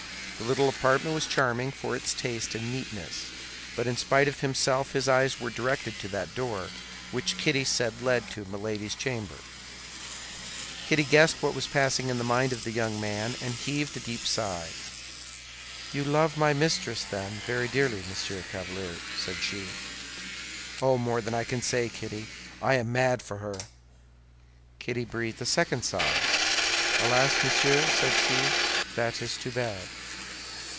The little apartment was charming for its taste and neatness; but in spite of himself, his eyes were directed to that door which Kitty said led to Milady's chamber. Kitty guessed what was passing in the mind of the young man, and heaved a deep sigh. "You love my mistress, then, very dearly, Monsieur Chevalier?" said she. "Oh, more than I can say, Kitty! I am mad for her!" Kitty breathed a second sigh. "Alas, monsieur," said she, "that is too bad."